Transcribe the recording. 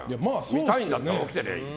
見たいんだったら起きてりゃいい。